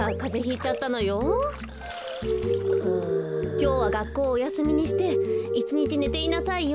きょうはがっこうおやすみにしていちにちねていなさいよ。